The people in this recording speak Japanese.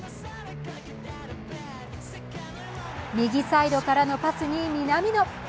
右サイドからのパスに南野。